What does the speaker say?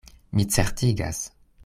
Mi certigas.